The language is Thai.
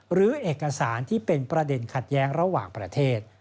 หรือเอกสารที่เป็นประเด็นขัดแย้งระหว่างประเทศ